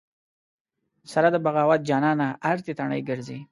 سره د بغاوت جانانه ارتې تڼۍ ګرځې